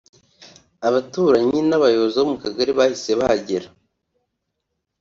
Abaturanyi n’abayobozi bo mu kagari bahise bahagera